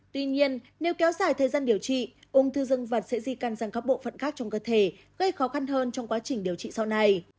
tuy nhiên nếu kéo dài thời gian điều trị ung thư dân vặt sẽ di căn sang các bộ phận khác trong cơ thể gây khó khăn hơn trong quá trình điều trị sau này